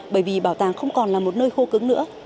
bởi vì bảo tàng không còn là một nơi khô cứng nữa